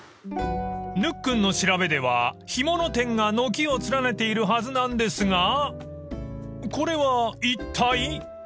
［ぬっくんの調べでは干物店が軒を連ねているはずなんですがこれはいったい？］